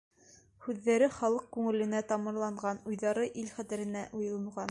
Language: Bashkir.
Һүҙҙәре халыҡ күңеленә тамырланған, уйҙары ил хәтеренә уйылған.